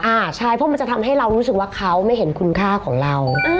อ่าใช่เพราะมันจะทำให้เรารู้สึกว่าเขาไม่เห็นคุณค่าของเรา